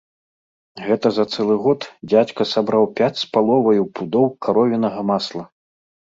Гэта за цэлы год дзядзька сабраў пяць з паловаю пудоў каровінага масла.